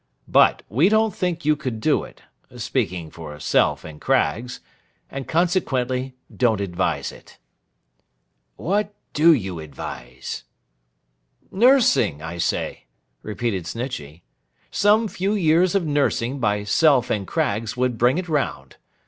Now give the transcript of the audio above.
But, we don't think you could do it—speaking for Self and Craggs—and consequently don't advise it.' 'What do you advise?' 'Nursing, I say,' repeated Snitchey. 'Some few years of nursing by Self and Craggs would bring it round.